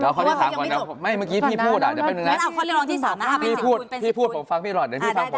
เราเลียงเรื่องที่๓ก่อนได้เพราะว่าพี่พูดผมฟังเพลง